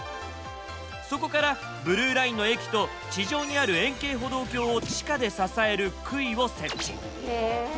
そこからブルーラインの駅と地上にある円形歩道橋を地下で支える杭を設置。